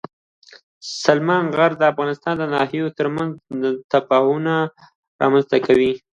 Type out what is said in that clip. سلیمان غر د افغانستان د ناحیو ترمنځ تفاوتونه رامنځته کوي.